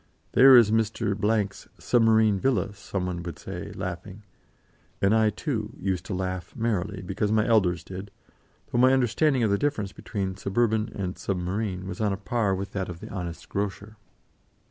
"There is Mr. 's submarine villa," some one would say, laughing: and I, too, used to laugh merrily, because my elders did, though my understanding of the difference between suburban and submarine was on a par with that of the honest grocer.